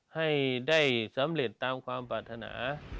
ให้ได้สำเร็จตามความปรารถนา